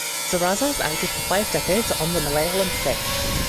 Sarasa has acted for five decades on the Malayalam stage.